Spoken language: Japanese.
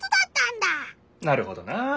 なるほどな！